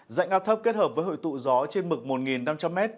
dạnh áp thấp kết hợp với hội tụ gió trên mực một năm trăm linh m